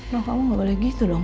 loh kamu gak boleh gitu dong